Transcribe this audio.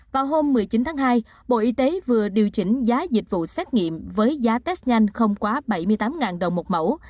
vào hôm một mươi chín tháng hai bộ y tế vừa điều chỉnh giá dịch vụ xét nghiệm với giá test nhanh không quá bảy mươi tám đồng một mẫu